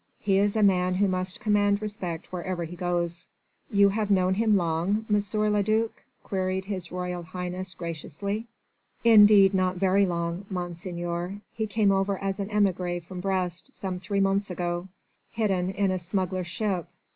He is a man who must command respect wherever he goes." "You have known him long, M. le duc?" queried His Royal Highness graciously. "Indeed not very long, Monseigneur. He came over as an émigré from Brest some three months ago, hidden in a smuggler's ship.